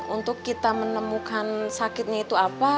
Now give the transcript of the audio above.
untuk kita menemukan sakitnya itu apa